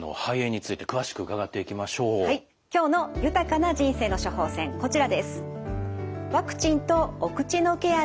今日の豊かな人生の処方せんこちらです。